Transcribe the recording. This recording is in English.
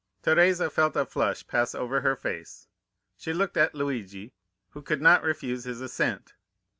Teresa felt a flush pass over her face; she looked at Luigi, who could not refuse his assent.